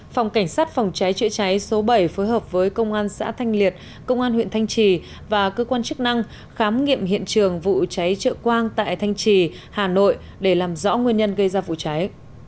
phòng cảnh sát phòng cháy chữa cháy số bảy phối hợp với công an xã thanh liệt công an huyện thanh trì và cơ quan chức năng khám nghiệm hiện trường vụ cháy trợ quang tại thanh trì hà nội để làm rõ nguyên nhân gây ra vụ cháy